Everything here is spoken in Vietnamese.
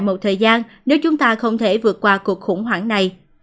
một thời gian nếu chúng ta không thể vượt qua cuộc khủng hoảng này